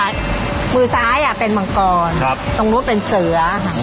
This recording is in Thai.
ตรงนู้นเป็นเสือ